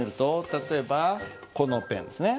例えば「このペン」ですね